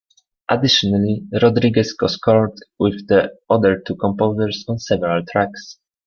Additionally, Rodriguez co-scored with the other two composers on several tracks.